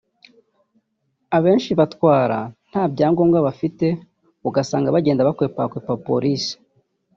abenshi batwara nta byangombwa bafite ugasanga bagenda bakwepakwepa Polisi